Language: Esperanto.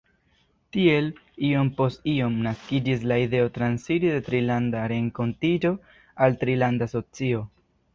Tiel, iom post iom, naskiĝis la ideo transiri de Trilanda Renkontiĝo al trilanda asocio.